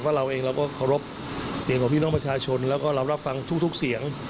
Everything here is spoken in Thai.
เราเองเราก็เคารพเสียงของพี่น้องประชาชนแล้วก็เรารับฟังทุกเสียง